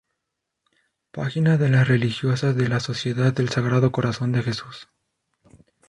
Página de las religiosas de la Sociedad del Sagrado Corazón de Jesús